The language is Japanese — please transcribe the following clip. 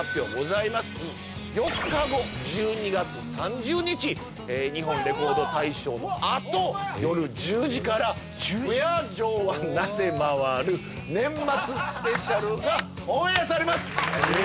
４日後１２月３０日「日本レコード大賞」のあと夜１０時から「不夜城はなぜ回る」年末スペシャルがオンエアされますえ